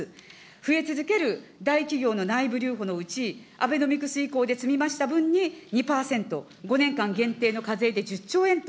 増え続ける大企業の内部留保のうち、アベノミクス以降で積み増した分に２％、５年間限定の課税で１０兆円と。